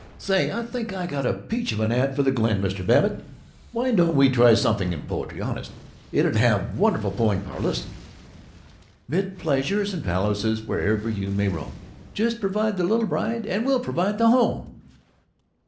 "Say, I think I got a peach of an ad for the Glen, Mr. Babbitt. Why don't we try something in poetry? Honest, it'd have wonderful pulling power. Listen: 'Mid pleasures and palaces, Wherever you may roam, You just provide the little bride And we'll provide the home.